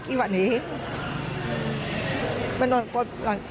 เขาได้บอกไหมว่า